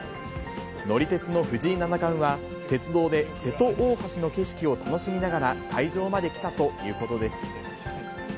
乗り鉄の藤井七冠は、鉄道で瀬戸大橋の景色を楽しみながら会場まで来たということです。